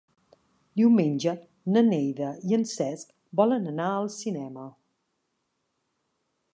Diumenge na Neida i en Cesc volen anar al cinema.